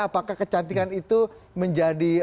apakah kecantikan itu menjadi